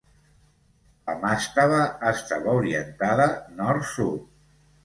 La mastaba estava orientada nord-sud.